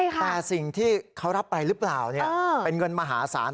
แต่สิ่งที่เขารับไปหรือเปล่าเป็นเงินมหาศาล